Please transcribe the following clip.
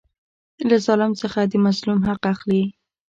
له ظالم څخه د مظلوم حق اخلي.